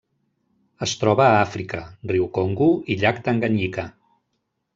Es troba a Àfrica: riu Congo i llac Tanganyika.